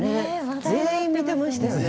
全員見てましたよね。